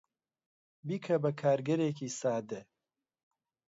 بیکە بە کارگەرێکی سادە.